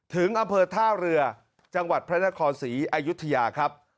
ถึงอำเภอท่าเรือจังหวัดพระนครศรีอายุทยาครับ